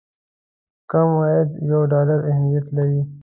کم عاید یو ډالر اهميت لري.